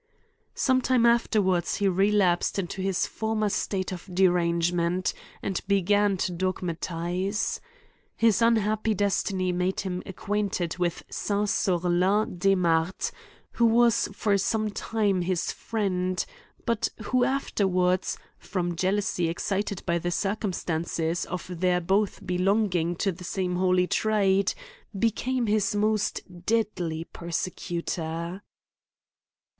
Some time afterwards he relapsed into his form er state of derangement, and began to dogmutize. His unhappy destiny made him acquainted with St. Sorlin Desmarets who was for some time his friend ; but who afterwards, from jealousy excited by the circumstance of their both belonging to the same holy trade, became his most deadly perse xutor.